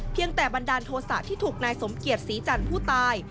เพียงแต่บันดาลโทษศาสตร์ที่ถูกนายสมเกียรติสีจันผู้ตาย